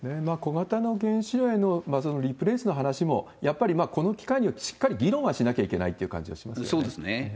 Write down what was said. この原子炉へのそのリプレースの話も、やっぱりこの機会にはしっかり議論はしなきゃいけないということそうですね。